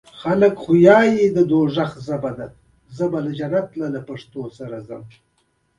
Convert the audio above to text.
هېواد د همکارۍ ملاتړ کوي.